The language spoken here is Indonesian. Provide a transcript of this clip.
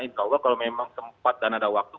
insya allah kalau memang sempat dan ada waktu